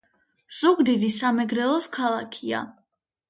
ზუგდიდი სამეგრელოს ქალაქია